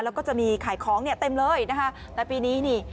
แล้วก็จะมีขายของเนี่ยเต็มเลยนะคะแต่ปีนี้นี่